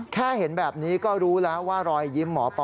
แค่เห็นแบบนี้ก็รู้แล้วว่ารอยยิ้มหมอปอ